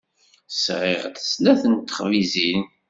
Sɣiɣ-d snat n texbizin.